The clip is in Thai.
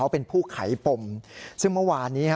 เป็นผู้ไขปมซึ่งเมื่อวานนี้